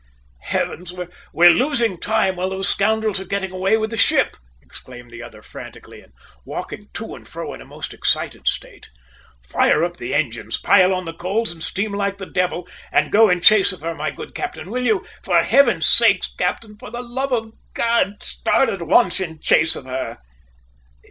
"Heavens! We're losing time while those scoundrels are getting away with the ship!" exclaimed the other frantically and walking to and fro in a most excited state. "Fire up the engines, pile on the coals and steam like the devil! and go in chase of her, my good captain, you will? For Heaven's sake, captain, for the love of God, start at once in chase of her!"